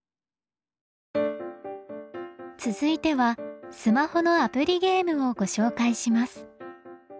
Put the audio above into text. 続いてはスマホのアプリゲームをご紹介します。